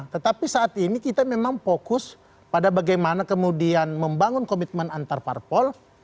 tetapi saat ini kita memang fokus pada bagaimana kemudian membangun komitmen antarparpol